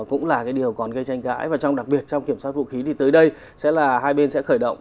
cũng là cái điều còn gây tranh cãi và trong đặc biệt trong kiểm soát vũ khí thì tới đây sẽ là hai bên sẽ khởi động